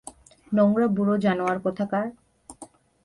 নোংরা বুড়ো জানোয়ার কোথাকার!